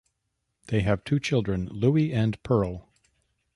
They have two children, Louie and Pearl.